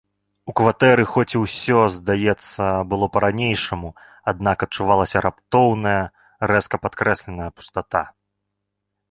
У кватэры хоць і ўсё, здаецца, было па-ранейшаму, аднак адчувалася раптоўная, рэзка падкрэсленая пустата.